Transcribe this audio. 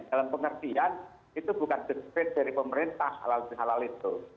dalam pengertian itu bukan deskrit dari pemerintah halal bihalal itu